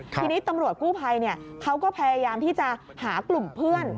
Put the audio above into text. ทีนี้ตำรวจกู้ภัยเขาก็พยายามที่จะหากลุ่มเพื่อน